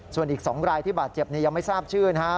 ส่วนอีก๒รายที่บาดเจ็บยังไม่ทราบชื่อนะฮะ